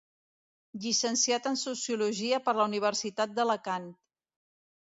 Llicenciat en sociologia per la Universitat d'Alacant.